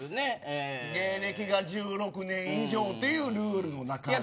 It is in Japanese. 芸歴が１６年以上というルールの中で。